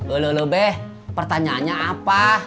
lululuh be pertanyaannya apa